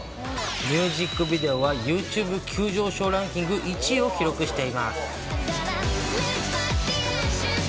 ミュージックビデオは、ユーチューブビデオランキング１位を記録しています。